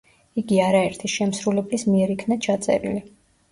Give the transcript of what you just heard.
იგი არაერთი შემსრულებლის მიერ იქნა ჩაწერილი.